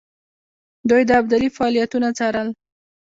دوی د ابدالي فعالیتونه څارل.